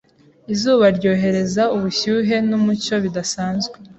Izuba ryohereza ubushyuhe n'umucyo bidasanzwe